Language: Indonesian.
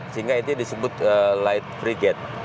sehingga ini disebut light frigate